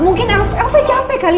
mungkin elsa capek kali